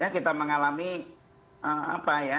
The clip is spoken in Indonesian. kita mengalami apa ya